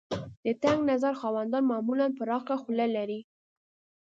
د تنګ نظر خاوندان معمولاً پراخه خوله لري.